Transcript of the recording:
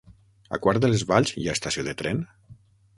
A Quart de les Valls hi ha estació de tren?